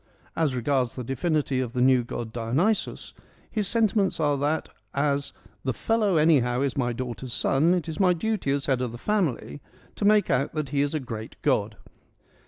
As regards the divinity of the new god Dionysus, his sentiments are that, as ' The fellow anyhow is my daughter's son : it is my duty as head of the family to make out that he is a great god